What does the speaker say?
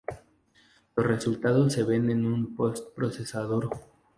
Los resultados se ven en un post-procesador.